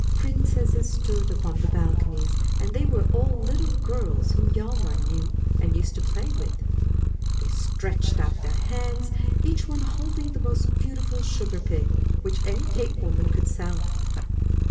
Princesses stood upon the balconies, and they were all little girls whom Hjalmar knew and used to play with. They stretched out their hands, each one holding the most beautiful sugar pig, which any cakewoman could sell.